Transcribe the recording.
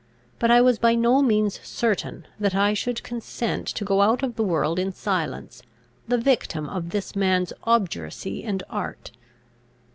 But I was by no means certain, that I should consent to go out of the world in silence, the victim of this man's obduracy and art.